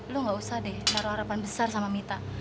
lu gak usah deh naruh harapan besar sama mita